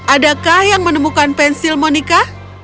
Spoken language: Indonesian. adakah yang menemukan pensil monica